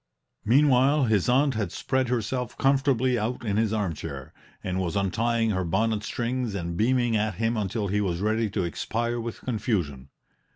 Meanwhile, his aunt had spread herself comfortably out in his armchair, and was untying her bonnet strings and beaming at him until he was ready to expire with confusion.